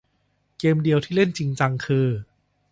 เกมเดียวที่เล่นจริงจังคือ